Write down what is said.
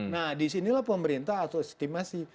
nah disinilah pemerintah atau estimasi